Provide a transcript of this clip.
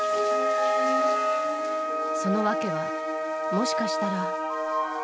その訳は、もしかしたら。